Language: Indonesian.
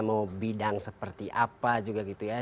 mau bidang seperti apa juga gitu ya